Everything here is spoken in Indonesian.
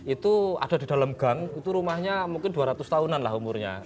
itu ada di dalam gang itu rumahnya mungkin dua ratus tahunan lah umurnya